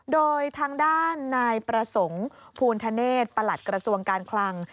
โดยทางด้านนายประสงค์ภูณธเนศประหลัดกระทรวงการคลัง